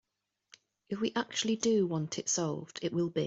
If we actually do want it solved, it will be.